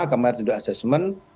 kemarin sudah assessment